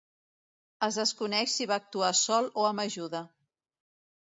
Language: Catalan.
Es desconeix si va actuar sol o amb ajuda.